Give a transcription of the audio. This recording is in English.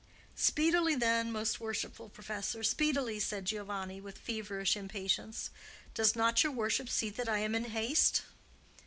"Speedily, then, most worshipful professor, speedily," said Giovanni, with feverish impatience. "Does not your worship see that I am in haste?"